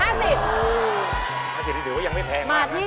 ๕๐บาทหรือว่ายังไม่แพงมากนะ